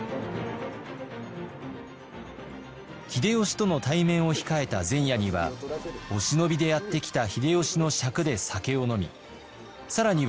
秀吉との対面を控えた前夜にはお忍びでやって来た秀吉の酌で酒を飲み更には秀吉の弟秀長と同じ正三位権